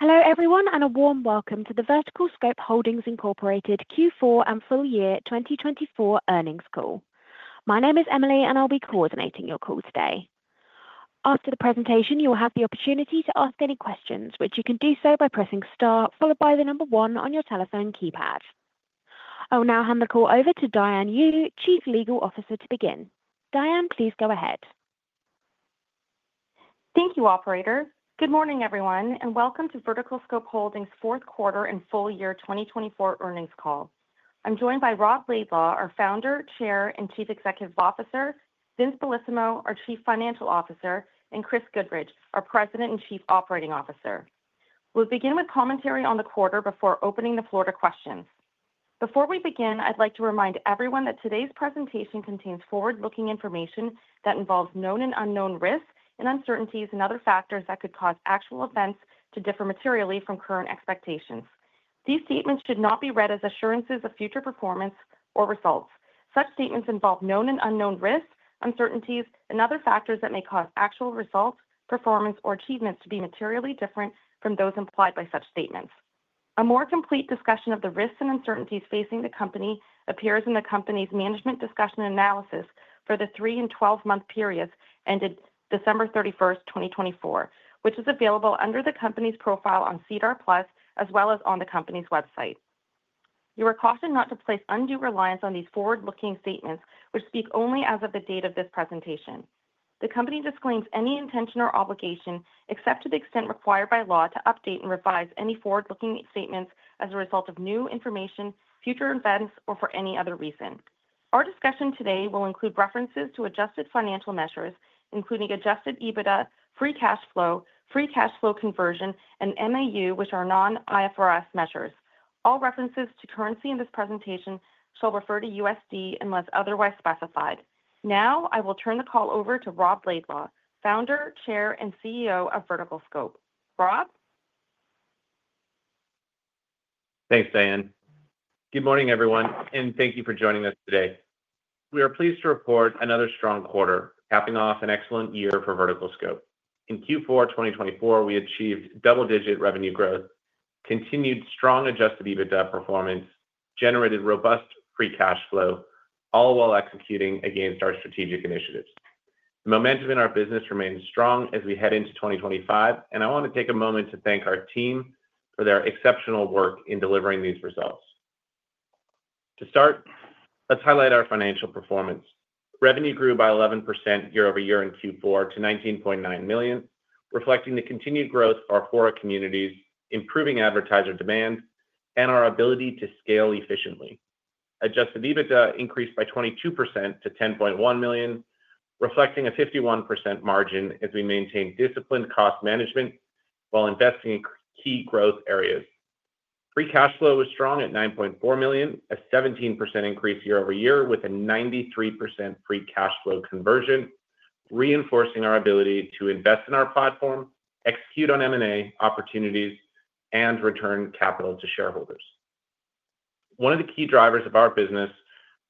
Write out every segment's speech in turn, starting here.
Hello everyone and a warm welcome to the VerticalScope Holdings Q4 and full year 2024 earnings call. My name is Emily and I'll be coordinating your call today. After the presentation, you'll have the opportunity to ask any questions, which you can do so by pressing star followed by the number one on your telephone keypad. I will now hand the call over to Diane Yu, Chief Legal Officer, to begin. Diane, please go ahead. Thank you, operator. Good morning everyone and welcome to VerticalScope Holdings' fourth quarter and full year 2024 earnings call. I'm joined by Rob Laidlaw, our Founder, Chair, and Chief Executive Officer; Vincenzo Bellissimo, our Chief Financial Officer; and Chris Goodridge, our President and Chief Operating Officer. We'll begin with commentary on the quarter before opening the floor to questions. Before we begin, I'd like to remind everyone that today's presentation contains forward-looking information that involves known and unknown risks and uncertainties and other factors that could cause actual events to differ materially from current expectations. These statements should not be read as assurances of future performance or results. Such statements involve known and unknown risks, uncertainties, and other factors that may cause actual results, performance, or achievements to be materially different from those implied by such statements. A more complete discussion of the risks and uncertainties facing the company appears in the company's management discussion analysis for the three and twelve-month periods ended December 31, 2024, which is available under the company's profile on SEDAR+ as well as on the company's website. You are cautioned not to place undue reliance on these forward-looking statements, which speak only as of the date of this presentation. The company disclaims any intention or obligation except to the extent required by law to update and revise any forward-looking statements as a result of new information, future events, or for any other reason. Our discussion today will include references to adjusted financial measures, including adjusted EBITDA, free cash flow, free cash flow conversion, and MAU, which are non-IFRS measures. All references to currency in this presentation shall refer to USD unless otherwise specified. Now I will turn the call over to Rob Laidlaw, Founder, Chair, and CEO of VerticalScope. Rob? Thanks, Diane. Good morning everyone and thank you for joining us today. We are pleased to report another strong quarter, capping off an excellent year for VerticalScope. In Q4 2024, we achieved double-digit revenue growth, continued strong adjusted EBITDA performance, and generated robust free cash flow, all while executing against our strategic initiatives. The momentum in our business remains strong as we head into 2025, and I want to take a moment to thank our team for their exceptional work in delivering these results. To start, let's highlight our financial performance. Revenue grew by 11% year-over-year in Q4 to $19.9 million, reflecting the continued growth of our communities, improving advertiser demand, and our ability to scale efficiently. Adjusted EBITDA increased by 22% to $10.1 million, reflecting a 51% margin as we maintained disciplined cost management while investing in key growth areas. Free cash flow was strong at $9.4 million, a 17% increase year over year with a 93% free cash flow conversion, reinforcing our ability to invest in our platform, execute on M&A opportunities, and return capital to shareholders. One of the key drivers of our business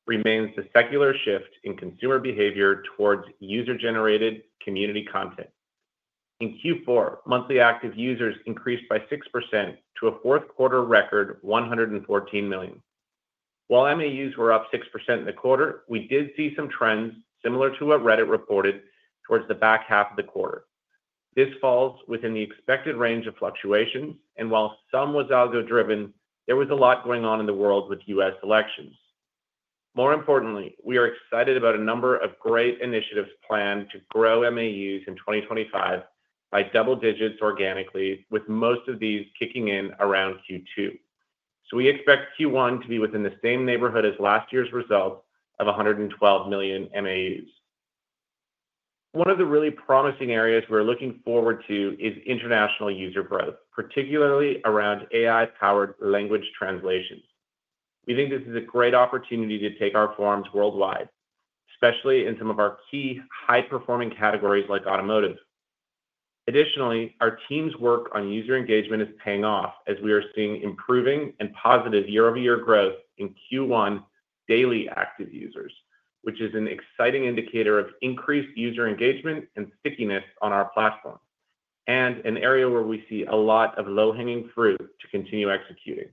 remains the secular shift in consumer behavior towards user-generated community content. In Q4, monthly active users increased by 6% to a fourth quarter record 114 million. While MAUs were up 6% in the quarter, we did see some trends similar to what Reddit reported towards the back half of the quarter. This falls within the expected range of fluctuations, and while some was algo driven, there was a lot going on in the world with U.S. elections. More importantly, we are excited about a number of great initiatives planned to grow MAUs in 2025 by double digits organically, with most of these kicking in around Q2. We expect Q1 to be within the same neighborhood as last year's result of 112 million MAUs. One of the really promising areas we're looking forward to is international user growth, particularly around AI-powered language translations. We think this is a great opportunity to take our forums worldwide, especially in some of our key high-performing categories like automotive. Additionally, our team's work on user engagement is paying off as we are seeing improving and positive year-over-year growth in Q1 daily active users, which is an exciting indicator of increased user engagement and stickiness on our platform and an area where we see a lot of low-hanging fruit to continue executing.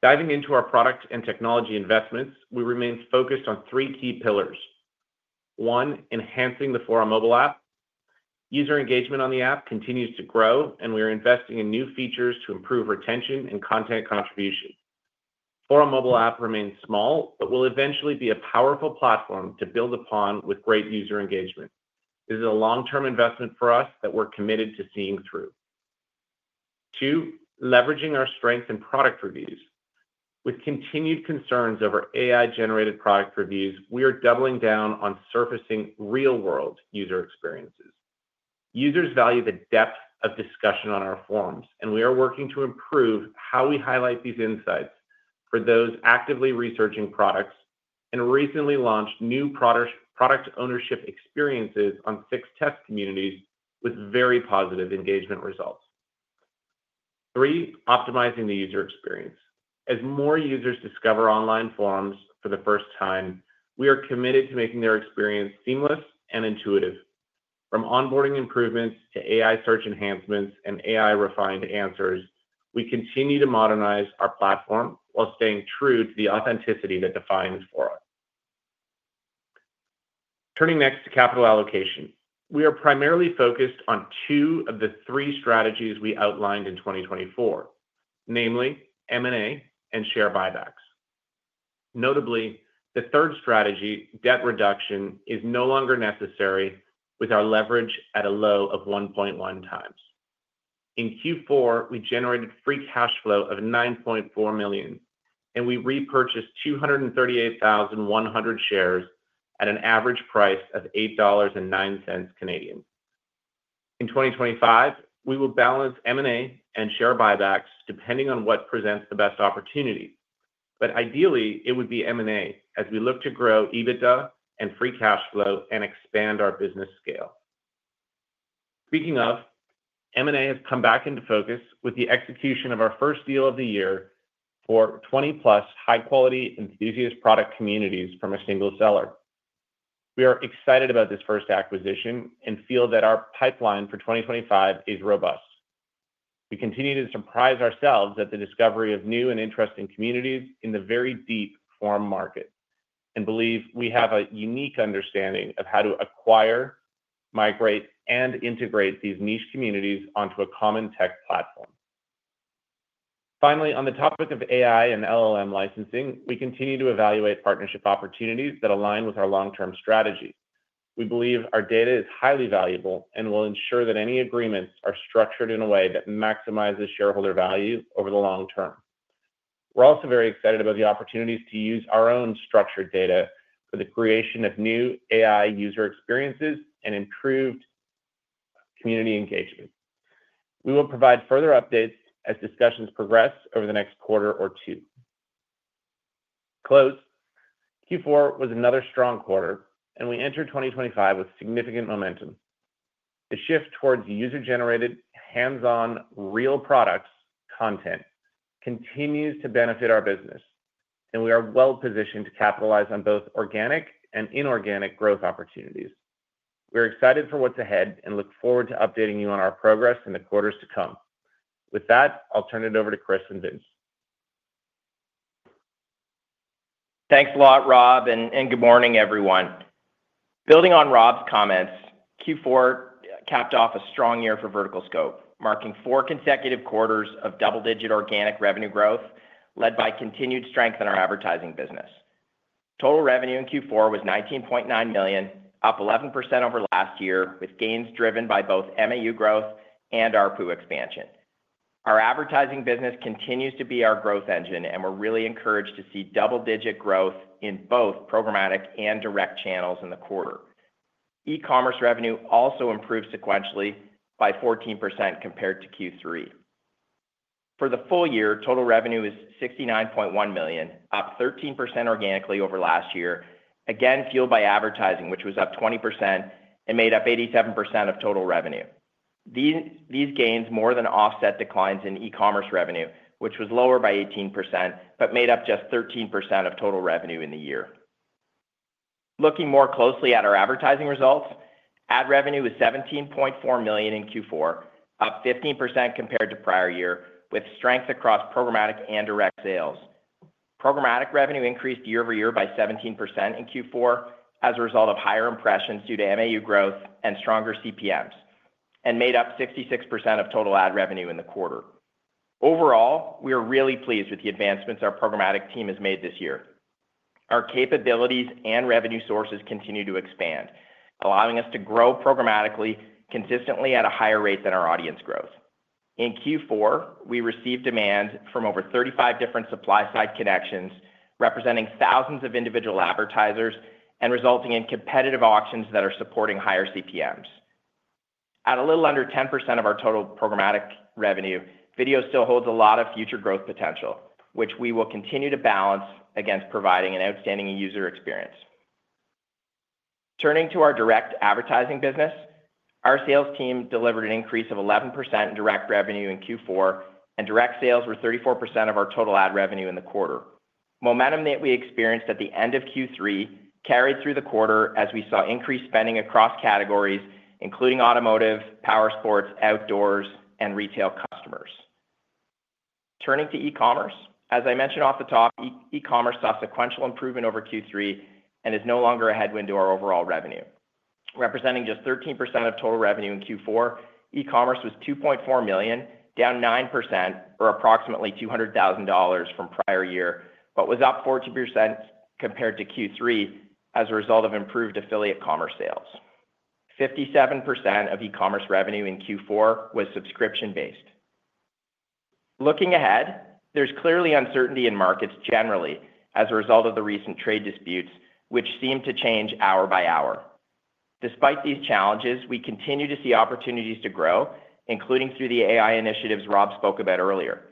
Diving into our product and technology investments, we remain focused on three key pillars. One, enhancing the Fora mobile app. User engagement on the app continues to grow, and we are investing in new features to improve retention and content contribution. Fora mobile app remains small, but will eventually be a powerful platform to build upon with great user engagement. This is a long-term investment for us that we're committed to seeing through. Two, leveraging our strength in product reviews. With continued concerns over AI-generated product reviews, we are doubling down on surfacing real-world user experiences. Users value the depth of discussion on our forums, and we are working to improve how we highlight these insights for those actively researching products and recently launched new product ownership experiences on six test communities with very positive engagement results. Three, optimizing the user experience. As more users discover online forums for the first time, we are committed to making their experience seamless and intuitive. From onboarding improvements to AI search enhancements and AI-refined answers, we continue to modernize our platform while staying true to the authenticity that defines Fora. Turning next to capital allocation, we are primarily focused on two of the three strategies we outlined in 2024, namely M&A and share buybacks. Notably, the third strategy, debt reduction, is no longer necessary with our leverage at a low of 1.1x. In Q4, we generated free cash flow of $9.4 million, and we repurchased 238,100 shares at an average price of 8.09 Canadian dollars. In 2025, we will balance M&A and share buybacks depending on what presents the best opportunity, but ideally it would be M&A as we look to grow EBITDA and free cash flow and expand our business scale. Speaking of, M&A has come back into focus with the execution of our first deal of the year for 20-plus high-quality enthusiast product communities from a single seller. We are excited about this first acquisition and feel that our pipeline for 2025 is robust. We continue to surprise ourselves at the discovery of new and interesting communities in the very deep forum market and believe we have a unique understanding of how to acquire, migrate, and integrate these niche communities onto a common tech platform. Finally, on the topic of AI and LLM licensing, we continue to evaluate partnership opportunities that align with our long-term strategy. We believe our data is highly valuable and will ensure that any agreements are structured in a way that maximizes shareholder value over the long term. We're also very excited about the opportunities to use our own structured data for the creation of new AI user experiences and improved community engagement. We will provide further updates as discussions progress over the next quarter or two. Close, Q4 was another strong quarter, and we entered 2025 with significant momentum. The shift towards user-generated hands-on real products content continues to benefit our business, and we are well positioned to capitalize on both organic and inorganic growth opportunities. We're excited for what's ahead and look forward to updating you on our progress in the quarters to come. With that, I'll turn it over to Chris and Vince. Thanks a lot, Rob, and good morning everyone. Building on Rob's comments, Q4 capped off a strong year for VerticalScope, marking four consecutive quarters of double-digit organic revenue growth led by continued strength in our advertising business. Total revenue in Q4 was $19.9 million, up 11% over last year, with gains driven by both MAU growth and our pool expansion. Our advertising business continues to be our growth engine, and we're really encouraged to see double-digit growth in both programmatic and direct channels in the quarter. E-commerce revenue also improved sequentially by 14% compared to Q3. For the full year, total revenue is $69.1 million, up 13% organically over last year, again fueled by advertising, which was up 20% and made up 87% of total revenue. These gains more than offset declines in e-commerce revenue, which was lower by 18% but made up just 13% of total revenue in the year. Looking more closely at our advertising results, ad revenue was $17.4 million in Q4, up 15% compared to prior year, with strength across programmatic and direct sales. Programmatic revenue increased year-over-year by 17% in Q4 as a result of higher impressions due to MAU growth and stronger CPMs and made up 66% of total ad revenue in the quarter. Overall, we are really pleased with the advancements our programmatic team has made this year. Our capabilities and revenue sources continue to expand, allowing us to grow programmatically consistently at a higher rate than our audience growth. In Q4, we received demand from over 35 different supply-side connections representing thousands of individual advertisers and resulting in competitive auctions that are supporting higher CPMs. At a little under 10% of our total programmatic revenue, video still holds a lot of future growth potential, which we will continue to balance against providing an outstanding user experience. Turning to our direct advertising business, our sales team delivered an increase of 11% in direct revenue in Q4, and direct sales were 34% of our total ad revenue in the quarter. Momentum that we experienced at the end of Q3 carried through the quarter as we saw increased spending across categories, including automotive, power sports, outdoors, and retail customers. Turning to e-commerce, as I mentioned off the top, e-commerce saw sequential improvement over Q3 and is no longer a headwind to our overall revenue. Representing just 13% of total revenue in Q4, e-commerce was $2.4 million, down 9% or approximately $200,000 from prior year, but was up 14% compared to Q3 as a result of improved affiliate commerce sales. 57% of e-commerce revenue in Q4 was subscription-based. Looking ahead, there's clearly uncertainty in markets generally as a result of the recent trade disputes, which seem to change hour by hour. Despite these challenges, we continue to see opportunities to grow, including through the AI initiatives Rob spoke about earlier.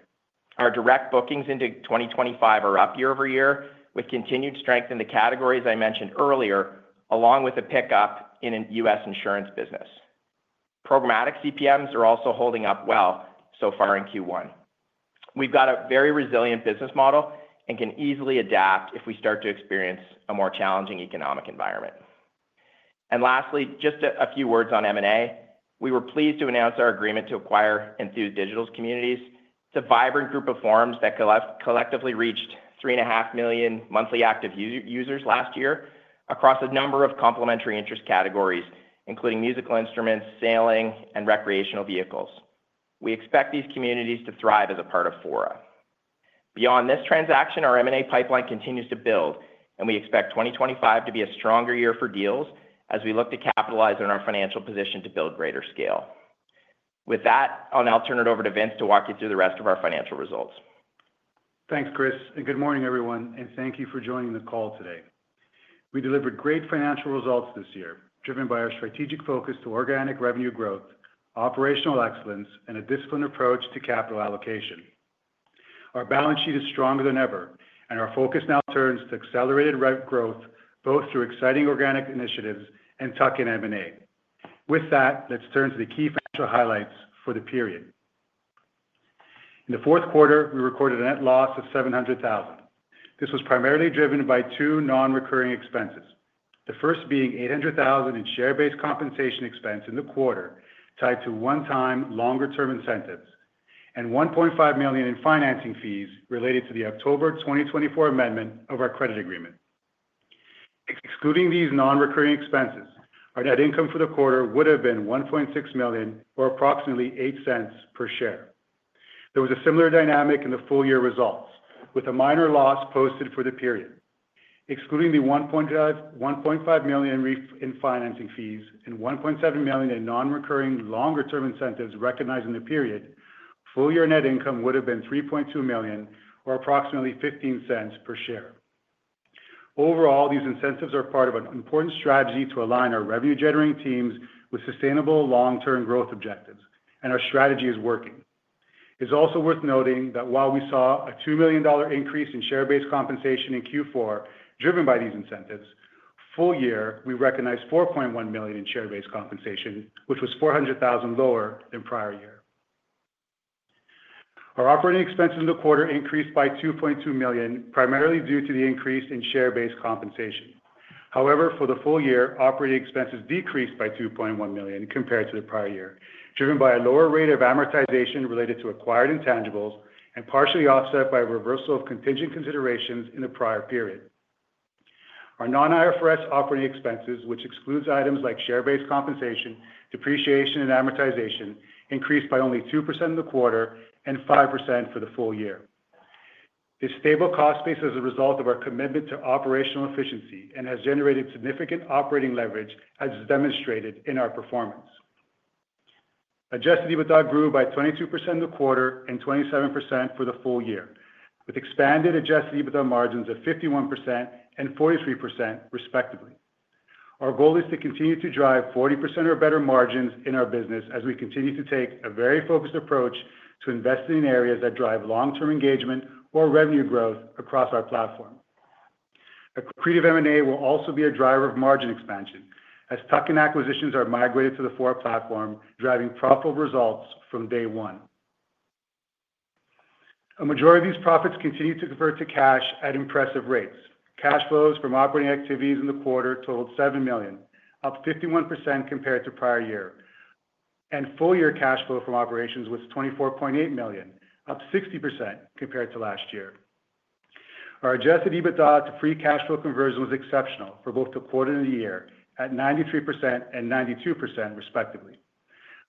Our direct bookings into 2025 are up year-over-year with continued strength in the categories I mentioned earlier, along with a pickup in the U.S. insurance business. Programmatic CPMs are also holding up well so far in Q1. We've got a very resilient business model and can easily adapt if we start to experience a more challenging economic environment. Lastly, just a few words on M&A. We were pleased to announce our agreement to acquire Enthused Digital communities, the vibrant group of forums that collectively reached 3.5 million monthly active users last year across a number of complementary interest categories, including musical instruments, sailing, and recreational vehicles. We expect these communities to thrive as a part of Fora. Beyond this transaction, our M&A pipeline continues to build, and we expect 2025 to be a stronger year for deals as we look to capitalize on our financial position to build greater scale. With that, I'll now turn it over to Vince to walk you through the rest of our financial results. Thanks, Chris, and good morning everyone, and thank you for joining the call today. We delivered great financial results this year, driven by our strategic focus to organic revenue growth, operational excellence, and a disciplined approach to capital allocation. Our balance sheet is stronger than ever, and our focus now turns to accelerated growth both through exciting organic initiatives and tuck-in M&A. With that, let's turn to the key financial highlights for the period. In the fourth quarter, we recorded a net loss of $700,000. This was primarily driven by two non-recurring expenses, the first being $800,000 in share-based compensation expense in the quarter tied to one-time longer-term incentives and $1.5 million in financing fees related to the October 2024 amendment of our credit agreement. Excluding these non-recurring expenses, our net income for the quarter would have been $1.6 million or approximately $0.08 per share. There was a similar dynamic in the full year results, with a minor loss posted for the period. Excluding the $1.5 million in financing fees and $1.7 million in non-recurring longer-term incentives recognized in the period, full year net income would have been $3.2 million or approximately $0.15 per share. Overall, these incentives are part of an important strategy to align our revenue-generating teams with sustainable long-term growth objectives, and our strategy is working. It's also worth noting that while we saw a $2 million increase in share-based compensation in Q4 driven by these incentives, full year we recognized $4.1 million in share-based compensation, which was $400,000 lower than prior year. Our operating expenses in the quarter increased by $2.2 million, primarily due to the increase in share-based compensation. However, for the full year, operating expenses decreased by $2.1 million compared to the prior year, driven by a lower rate of amortization related to acquired intangibles and partially offset by a reversal of contingent considerations in the prior period. Our non-IFRS operating expenses, which excludes items like share-based compensation, depreciation, and amortization, increased by only 2% in the quarter and 5% for the full year. This stable cost base is a result of our commitment to operational efficiency and has generated significant operating leverage, as demonstrated in our performance. Adjusted EBITDA grew by 22% in the quarter and 27% for the full year, with expanded adjusted EBITDA margins of 51% and 43% respectively. Our goal is to continue to drive 40% or better margins in our business as we continue to take a very focused approach to investing in areas that drive long-term engagement or revenue growth across our platform. A creative M&A will also be a driver of margin expansion as tuck-in acquisitions are migrated to the Fora platform, driving profitable results from day one. A majority of these profits continue to convert to cash at impressive rates. Cash flows from operating activities in the quarter totaled $7 million, up 51% compared to prior year, and full year cash flow from operations was $24.8 million, up 60% compared to last year. Our adjusted EBITDA to free cash flow conversion was exceptional for both the quarter and the year at 93% and 92% respectively.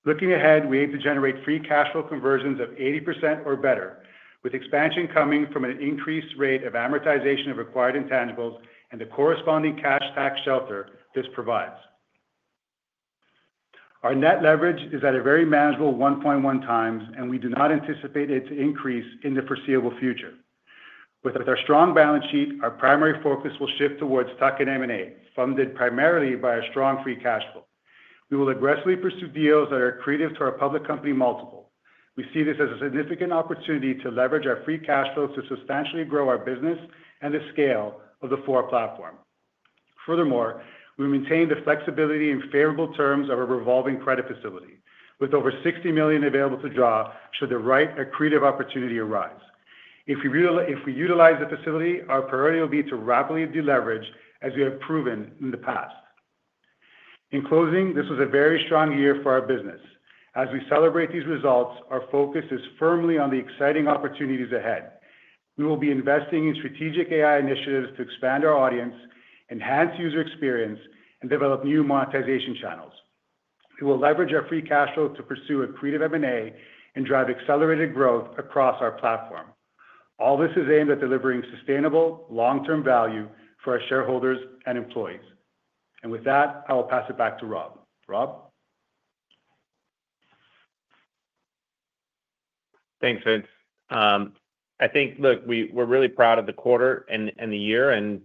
Looking ahead, we aim to generate free cash flow conversions of 80% or better, with expansion coming from an increased rate of amortization of acquired intangibles and the corresponding cash tax shelter this provides. Our net leverage is at a very manageable 1.1 times, and we do not anticipate it to increase in the foreseeable future. With our strong balance sheet, our primary focus will shift towards tuck-in M&A, funded primarily by a strong free cash flow. We will aggressively pursue deals that are accretive to our public company multiple. We see this as a significant opportunity to leverage our free cash flow to substantially grow our business and the scale of the Fora platform. Furthermore, we maintain the flexibility and favorable terms of a revolving credit facility, with over $60 million available to draw should the right accretive opportunity arise. If we utilize the facility, our priority will be to rapidly deleverage, as we have proven in the past. In closing, this was a very strong year for our business. As we celebrate these results, our focus is firmly on the exciting opportunities ahead. We will be investing in strategic AI initiatives to expand our audience, enhance user experience, and develop new monetization channels. We will leverage our free cash flow to pursue accretive M&A and drive accelerated growth across our platform. All this is aimed at delivering sustainable long-term value for our shareholders and employees. I will pass it back to Rob. Rob? Thanks, Vince. I think, look, we're really proud of the quarter and the year and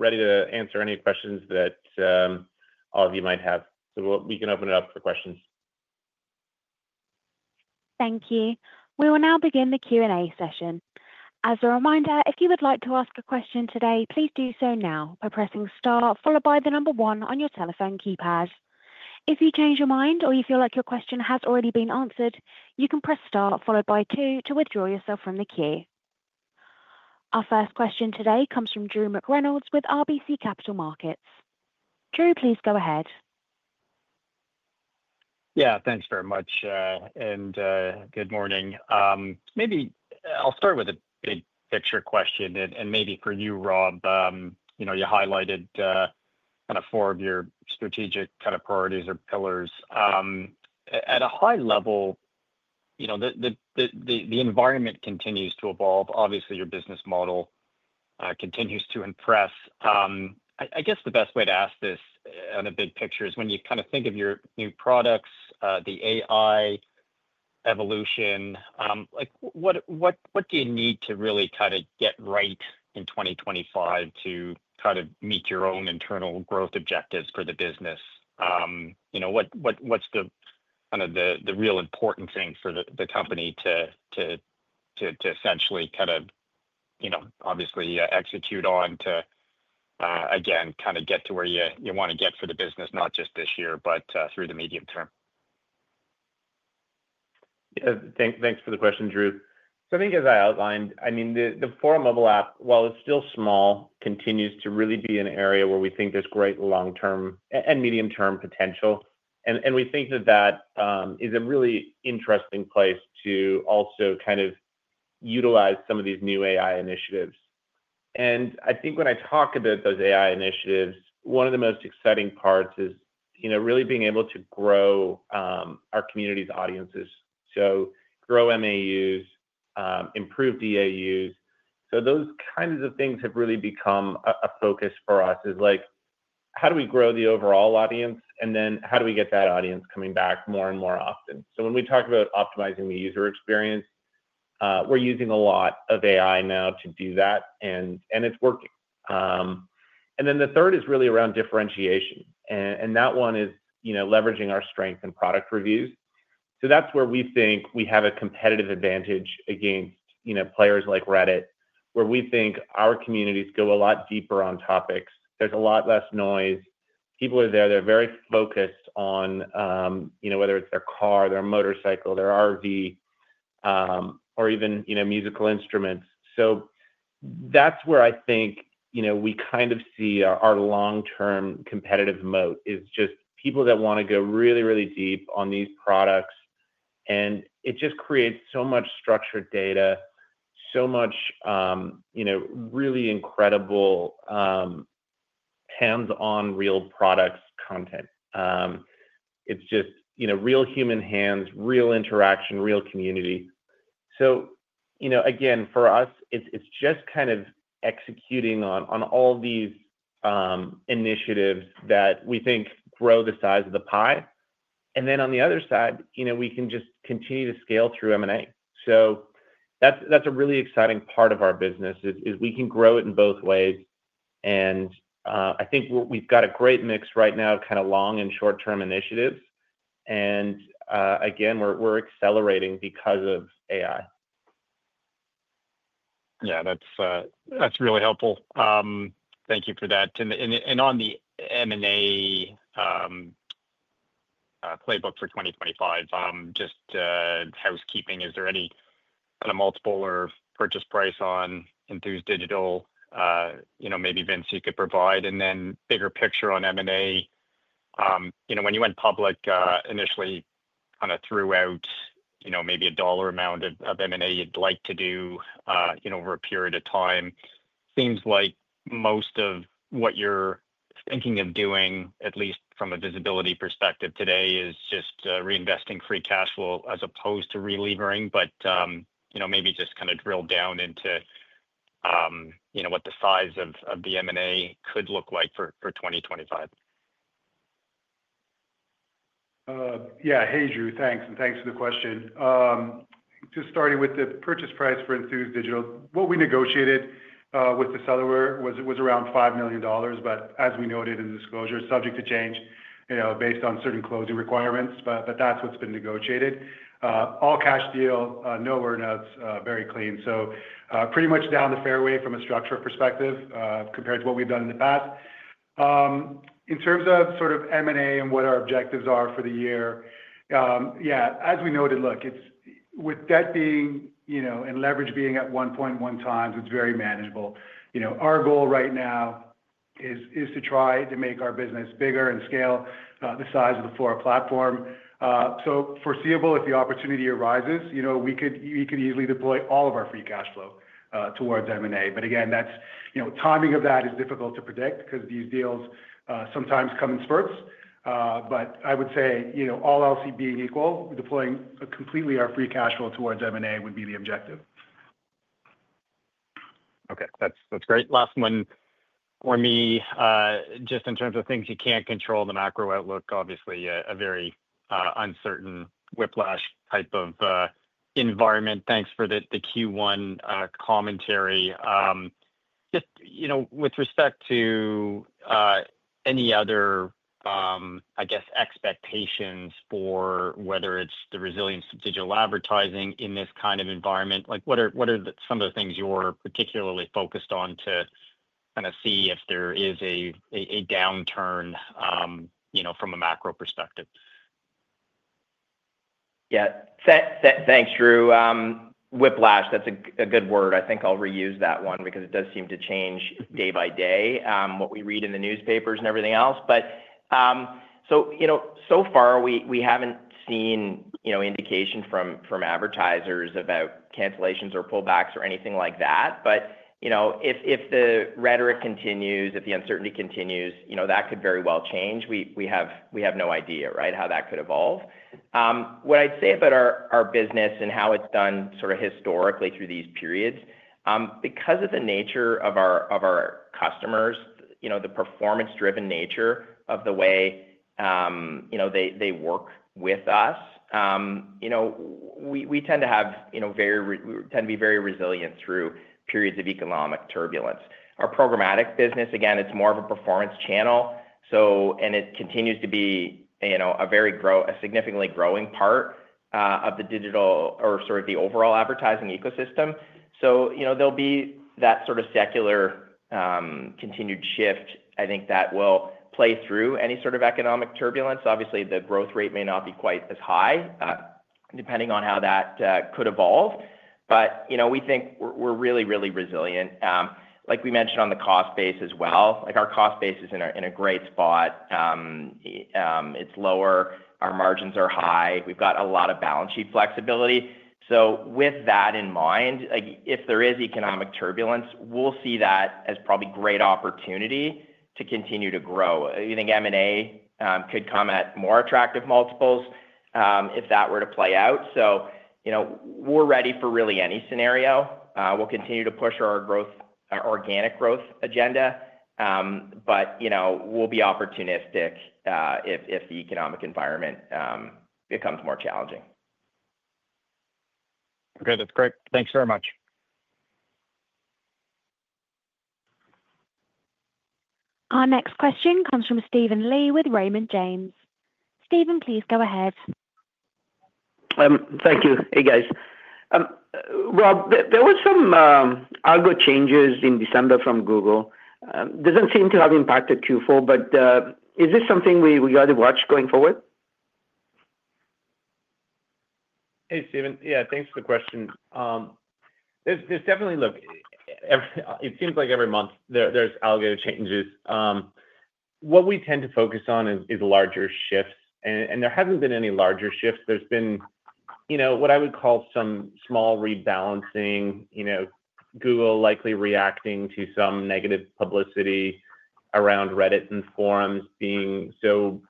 ready to answer any questions that all of you might have. We can open it up for questions. Thank you. We will now begin the Q&A session. As a reminder, if you would like to ask a question today, please do so now by pressing star followed by the number one on your telephone keypad. If you change your mind or you feel like your question has already been answered, you can press star followed by two to withdraw yourself from the queue. Our first question today comes from Drew McReynolds with RBC Capital Markets. Drew, please go ahead. Yeah, thanks very much. Good morning. Maybe I'll start with a big picture question, and maybe for you, Rob, you highlighted kind of four of your strategic kind of priorities or pillars. At a high level, the environment continues to evolve. Obviously, your business model continues to impress. I guess the best way to ask this on a big picture is when you kind of think of your new products, the AI evolution, what do you need to really kind of get right in 2025 to kind of meet your own internal growth objectives for the business? What's kind of the real important thing for the company to essentially kind of obviously execute on to, again, kind of get to where you want to get for the business, not just this year, but through the medium term? Thanks for the question, Drew. I think, as I outlined, the Fora mobile app, while it's still small, continues to really be an area where we think there's great long-term and medium-term potential. We think that that is a really interesting place to also kind of utilize some of these new AI initiatives. I think when I talk about those AI initiatives, one of the most exciting parts is really being able to grow our community's audiences. Grow MAUs, improve DAUs. Those kinds of things have really become a focus for us. It's like, how do we grow the overall audience, and then how do we get that audience coming back more and more often? When we talk about optimizing the user experience, we're using a lot of AI now to do that, and it's working. The third is really around differentiation. That one is leveraging our strength in product reviews. That is where we think we have a competitive advantage against players like Reddit, where we think our communities go a lot deeper on topics. There is a lot less noise. People are there. They are very focused on whether it is their car, their motorcycle, their RV, or even musical instruments. That is where I think we kind of see our long-term competitive moat is just people that want to go really, really deep on these products. It just creates so much structured data, so much really incredible hands-on real products content. It is just real human hands, real interaction, real community. For us, it is just kind of executing on all these initiatives that we think grow the size of the pie. On the other side, we can just continue to scale through M&A. That is a really exciting part of our business because we can grow it in both ways. I think we have a great mix right now of kind of long and short-term initiatives. Again, we are accelerating because of AI. Yeah, that's really helpful. Thank you for that. On the M&A playbook for 2025, just housekeeping, is there any kind of multiple or purchase price on Enthused Digital? Maybe Vince, you could provide. Then bigger picture on M&A, when you went public initially, kind of threw out maybe a dollar amount of M&A you'd like to do over a period of time. Seems like most of what you're thinking of doing, at least from a visibility perspective today, is just reinvesting free cash flow as opposed to relevering, but maybe just kind of drill down into what the size of the M&A could look like for 2025. Yeah, hey, Drew, thanks. Thanks for the question. Just starting with the purchase price for Enthused Digital, what we negotiated with the seller was around $5 million, but as we noted in the disclosure, subject to change based on certain closing requirements, but that's what's been negotiated. All cash deal, no earnouts, very clean. Pretty much down the fairway from a structure perspective compared to what we've done in the past. In terms of sort of M&A and what our objectives are for the year, yeah, as we noted, look, with debt being and leverage being at 1.1x, it's very manageable. Our goal right now is to try to make our business bigger and scale the size of the Fora platform. Foreseeable, if the opportunity arises, we could easily deploy all of our free cash flow towards M&A. Again, timing of that is difficult to predict because these deals sometimes come in spurts. I would say all else being equal, deploying completely our free cash flow towards M&A would be the objective. Okay, that's great. Last one for me, just in terms of things you can't control, the macro outlook, obviously a very uncertain whiplash type of environment. Thanks for the Q1 commentary. Just with respect to any other, I guess, expectations for whether it's the resilience of digital advertising in this kind of environment, what are some of the things you're particularly focused on to kind of see if there is a downturn from a macro perspective? Yeah, thanks, Drew. Whiplash, that's a good word. I think I'll reuse that one because it does seem to change day by day, what we read in the newspapers and everything else. So far, we haven't seen indication from advertisers about cancellations or pullbacks or anything like that. If the rhetoric continues, if the uncertainty continues, that could very well change. We have no idea, right, how that could evolve. What I'd say about our business and how it's done sort of historically through these periods, because of the nature of our customers, the performance-driven nature of the way they work with us, we tend to be very resilient through periods of economic turbulence. Our programmatic business, again, it's more of a performance channel, and it continues to be a significantly growing part of the digital or sort of the overall advertising ecosystem. There'll be that sort of secular continued shift, I think, that will play through any sort of economic turbulence. Obviously, the growth rate may not be quite as high, depending on how that could evolve. We think we're really, really resilient. Like we mentioned on the cost base as well, our cost base is in a great spot. It's lower. Our margins are high. We've got a lot of balance sheet flexibility. With that in mind, if there is economic turbulence, we'll see that as probably great opportunity to continue to grow. I think M&A could come at more attractive multiples if that were to play out. We're ready for really any scenario. We'll continue to push our organic growth agenda, but we'll be opportunistic if the economic environment becomes more challenging. Okay, that's great. Thanks very much. Our next question comes from Steven Li with Raymond James. Stephen, please go ahead. Thank you. Hey, guys. Rob, there were some algo changes in December from Google. It does not seem to have impacted Q4, but is this something we got to watch going forward? Hey, Stephen. Yeah, thanks for the question. There's definitely, look, it seems like every month there's algo changes. What we tend to focus on is larger shifts. There haven't been any larger shifts. There's been what I would call some small rebalancing, Google likely reacting to some negative publicity around Reddit and Fora being so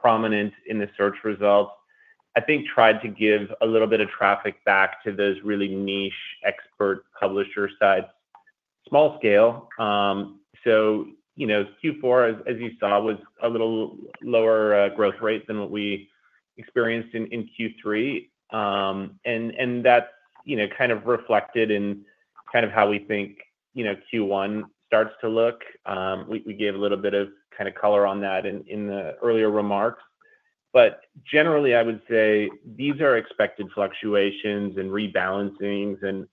prominent in the search results. I think tried to give a little bit of traffic back to those really niche expert publisher sites. Small scale. Q4, as you saw, was a little lower growth rate than what we experienced in Q3. That's kind of reflected in kind of how we think Q1 starts to look. We gave a little bit of kind of color on that in the earlier remarks. Generally, I would say these are expected fluctuations and rebalancings.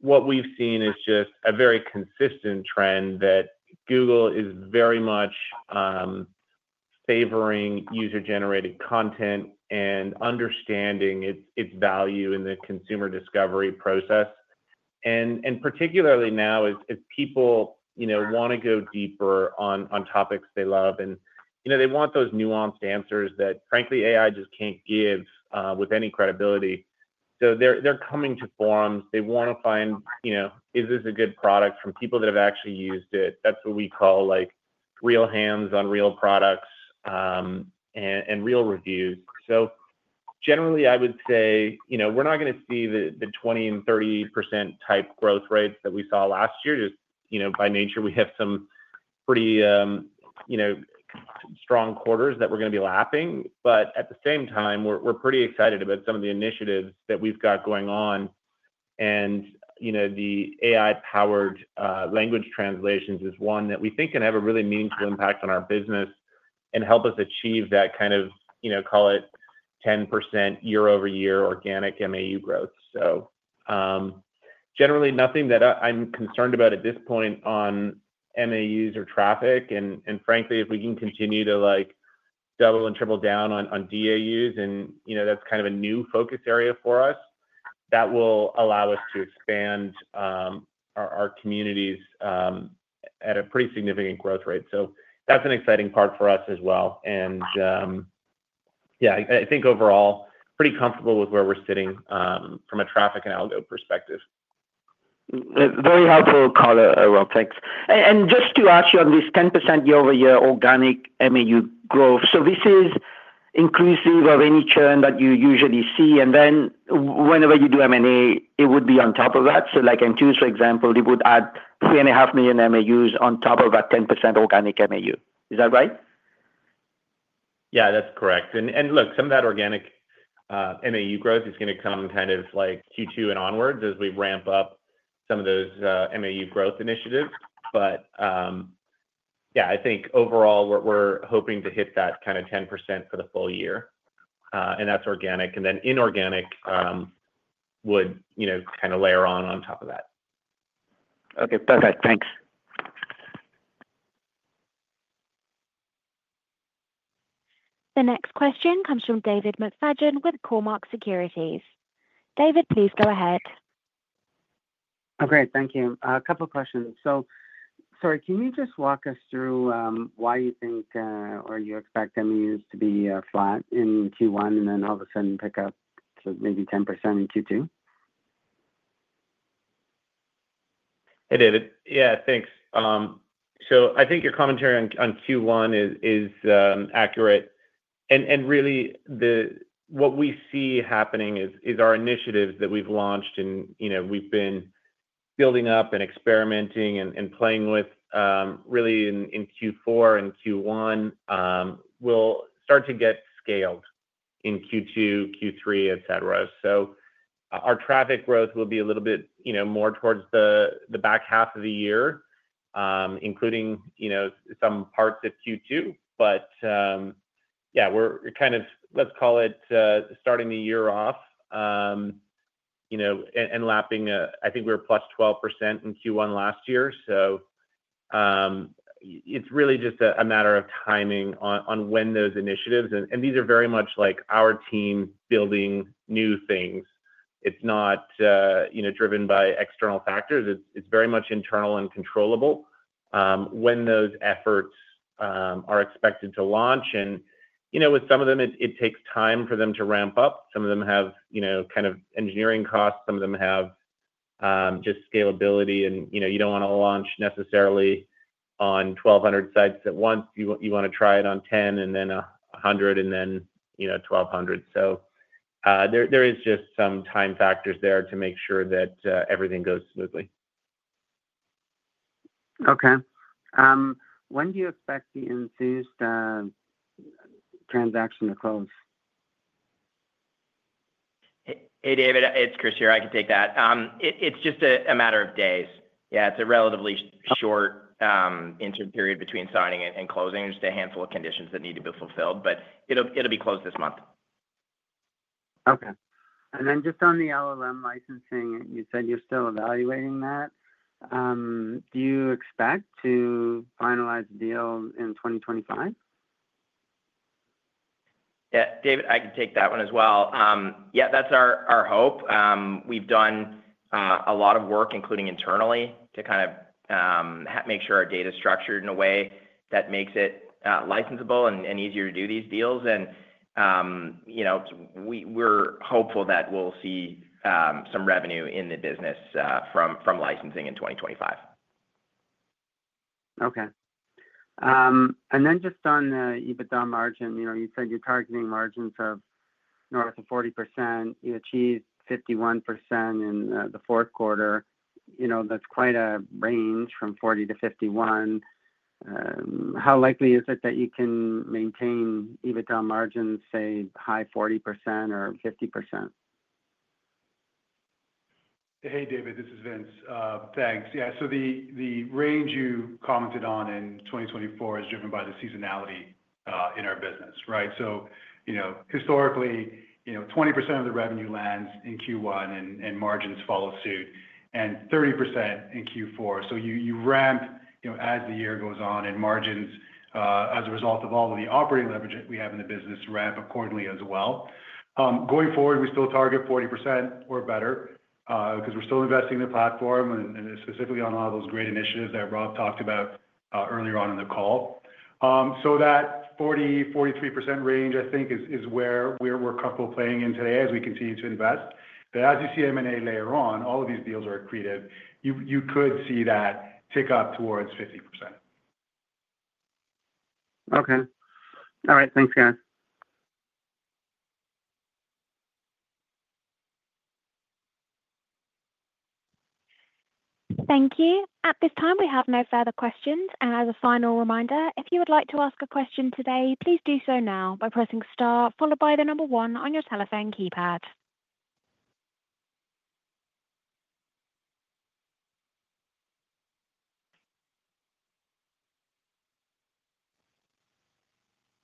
What we've seen is just a very consistent trend that Google is very much favoring user-generated content and understanding its value in the consumer discovery process. Particularly now, as people want to go deeper on topics they love, and they want those nuanced answers that, frankly, AI just can't give with any credibility. They're coming to Fora. They want to find, is this a good product from people that have actually used it? That's what we call real hands on real products and real reviews. Generally, I would say we're not going to see the 20% and 30% type growth rates that we saw last year. Just by nature, we have some pretty strong quarters that we're going to be lapping. At the same time, we're pretty excited about some of the initiatives that we've got going on. The AI-powered language translations is one that we think can have a really meaningful impact on our business and help us achieve that kind of, call it 10% year-over-year organic MAU growth. Generally, nothing that I'm concerned about at this point on MAUs or traffic. Frankly, if we can continue to double and triple down on DAUs, and that's kind of a new focus area for us, that will allow us to expand our communities at a pretty significant growth rate. That is an exciting part for us as well. I think overall, pretty comfortable with where we're sitting from a traffic and algo perspective. Very helpful, Robert. Thanks. Just to ask you on this 10% year-over-year organic MAU growth, this is inclusive of any churn that you usually see. Whenever you do M&A, it would be on top of that. Like Enthused, for example, they would add 3.5 million MAUs on top of that 10% organic MAU. Is that right? Yeah, that's correct. Look, some of that organic MAU growth is going to come kind of Q2 and onwards as we ramp up some of those MAU growth initiatives. Yeah, I think overall, we're hoping to hit that kind of 10% for the full year. That's organic. Inorganic would kind of layer on on top of that. Okay, perfect. Thanks. The next question comes from David McFadgen with Cormark Securities. David, please go ahead. Okay, thank you. A couple of questions. Sorry, can you just walk us through why you think or you expect MAUs to be flat in Q1 and then all of a sudden pick up to maybe 10% in Q2? Hey, David. Yeah, thanks. I think your commentary on Q1 is accurate. Really, what we see happening is our initiatives that we've launched and we've been building up and experimenting and playing with really in Q4 and Q1 will start to get scaled in Q2, Q3, etc. Our traffic growth will be a little bit more towards the back half of the year, including some parts of Q2. Yeah, we're kind of, let's call it starting the year off and lapping, I think we were plus 12% in Q1 last year. It's really just a matter of timing on when those initiatives, and these are very much like our team building new things. It's not driven by external factors. It's very much internal and controllable when those efforts are expected to launch. With some of them, it takes time for them to ramp up. Some of them have kind of engineering costs. Some of them have just scalability. You do not want to launch necessarily on 1,200 sites at once. You want to try it on 10 and then 100 and then 1,200. There is just some time factors there to make sure that everything goes smoothly. Okay. When do you expect the Enthused transaction to close? Hey, David, it's Chris here. I can take that. It's just a matter of days. Yeah, it's a relatively short interim period between signing and closing. Just a handful of conditions that need to be fulfilled, but it'll be closed this month. Okay. Just on the LLM licensing, you said you're still evaluating that. Do you expect to finalize the deal in 2025? Yeah, David, I can take that one as well. Yeah, that's our hope. We've done a lot of work, including internally, to kind of make sure our data is structured in a way that makes it licensable and easier to do these deals. We're hopeful that we'll see some revenue in the business from licensing in 2025. Okay. And then just on the EBITDA margin, you said you're targeting margins of north of 40%. You achieved 51% in the fourth quarter. That's quite a range from 40% to 51%. How likely is it that you can maintain EBITDA margins, say, high 40% or 50%? Hey, David, this is Vince. Thanks. Yeah, the range you commented on in 2024 is driven by the seasonality in our business, right? Historically, 20% of the revenue lands in Q1 and margins follow suit, and 30% in Q4. You ramp as the year goes on, and margins, as a result of all of the operating leverage that we have in the business, ramp accordingly as well. Going forward, we still target 40% or better because we're still investing in the platform and specifically on all those great initiatives that Rob talked about earlier on in the call. That 40%-43% range, I think, is where we're comfortable playing in today as we continue to invest. As you see M&A later on, all of these deals are accretive. You could see that tick up towards 50%. Okay. All right. Thanks, guys. Thank you. At this time, we have no further questions. As a final reminder, if you would like to ask a question today, please do so now by pressing star followed by the number one on your telephone keypad.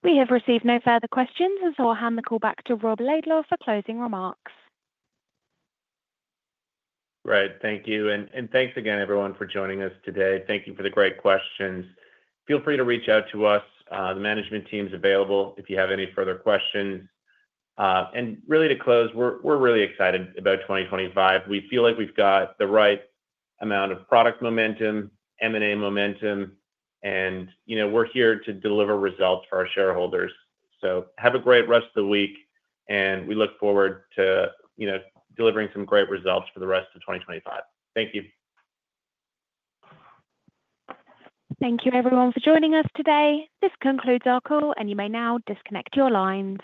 We have received no further questions, and so I'll hand the call back to Rob Laidlaw for closing remarks. Right. Thank you. Thank you again, everyone, for joining us today. Thank you for the great questions. Feel free to reach out to us. The management team is available if you have any further questions. Really, to close, we're really excited about 2025. We feel like we've got the right amount of product momentum, M&A momentum, and we're here to deliver results for our shareholders. Have a great rest of the week, and we look forward to delivering some great results for the rest of 2025. Thank you. Thank you, everyone, for joining us today. This concludes our call, and you may now disconnect your lines.